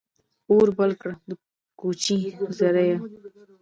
اور بل کړه ، د کوچي زریه !